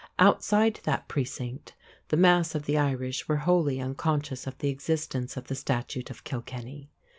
Outside that precinct, the mass of the Irish were wholly unconscious of the existence of the "Statute of Kilkenny."